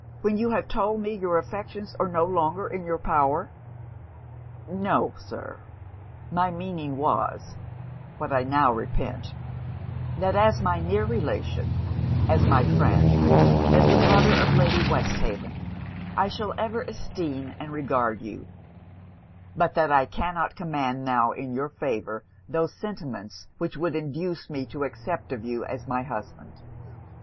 when you have told me your affections are no longer in your power!' 'No, Sir; my meaning was, what I now repeat that as my near relation, as my friend, as the brother of Lady Westhaven, I shall ever esteem and regard you; but that I cannot command now in your favour those sentiments which should induce me to accept of you as my husband.